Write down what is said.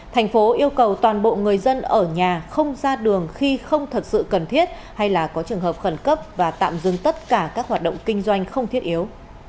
thành phố yêu cầu toàn bộ người dân ở nhà không ra đường khi không thật sự cần thiết hay là có trường hợp khẩn cấp và tạm dừng tất cả các hoạt động kinh doanh không thiết yếu